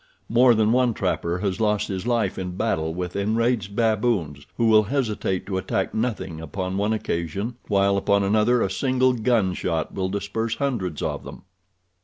More than one trapper has lost his life in battle with enraged baboons who will hesitate to attack nothing upon one occasion, while upon another a single gun shot will disperse hundreds of them.